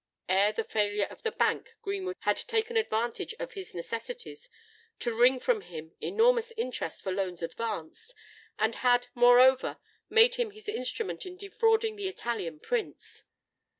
Ere the failure of the bank, Greenwood had taken advantage of his necessities to wring from him enormous interest for loans advanced, and had, moreover, made him his instrument in defrauding the Italian prince.